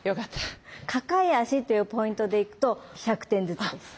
抱え足というポイントでいくと１００点ずつです。